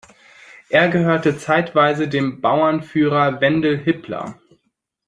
Er gehörte zeitweise dem Bauernführer Wendel Hipler.